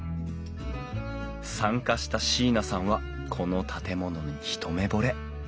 参加した椎名さんはこの建物に一目ぼれ。